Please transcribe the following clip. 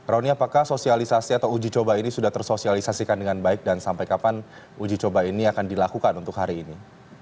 roni apakah sosialisasi atau uji coba ini sudah tersosialisasikan dengan baik dan sampai kapan uji coba ini akan dilakukan untuk hari ini